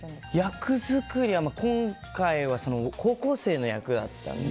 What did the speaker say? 役作りは今回は高校生の役だったので。